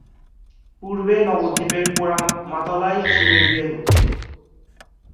পূর্বে নবদ্বীপের পোড়ামাতলায় শিবের বিয়ে হত।